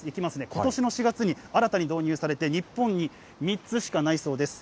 ことしの４月に新たに導入されて、日本に３つしかないそうです。